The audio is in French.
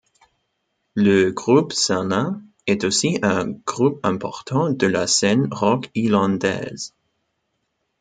Le groupe Salin est aussi un groupe important de la scène rock islandaise.